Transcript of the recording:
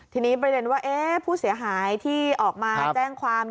ทีนี้ประเด็นว่าผู้เสียหายที่ออกมาแจ้งความ